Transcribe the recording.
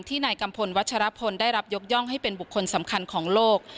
นายกัมพลวัชรพลได้รับยกย่องให้เป็นบุคคลสำคัญของโลก